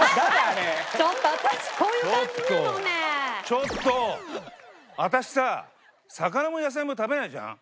ちょっと私さ魚も野菜も食べないじゃん？